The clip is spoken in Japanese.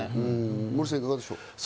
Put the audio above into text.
モーリーさん、いかがでしょう？